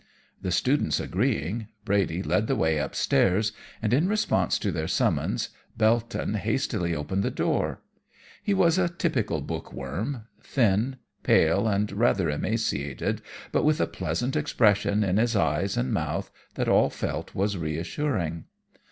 "The students agreeing, Brady led the way upstairs, and in response to their summons Belton hastily opened the door. He was a typical book worm thin, pale and rather emaciated, but with a pleasant expression in his eyes and mouth, that all felt was assuring.